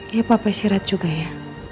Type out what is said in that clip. iya papa istirahat juga ya